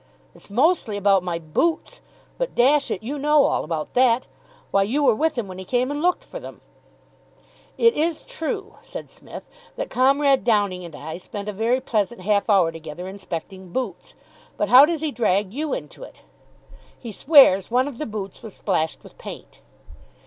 "It's mostly about my boots. But, dash it, you know all about that. Why, you were with him when he came and looked for them." "It is true," said Psmith, "that Comrade Downing and I spent a very pleasant half hour together inspecting boots, but how does he drag you into it?" "He swears one of the boots was splashed with paint."